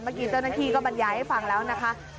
เมื่อกี้เต้นนาทีก็บรรยายให้ฟังแล้วนะคะ